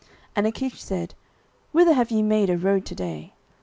09:027:010 And Achish said, Whither have ye made a road to day?